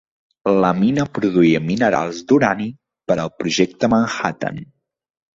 La mina produïa minerals d'urani per al Projecte Manhattan.